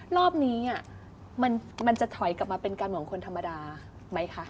รอบนี้มันจะถอยกลับมาเป็นการเมืองคนธรรมดาไหมคะ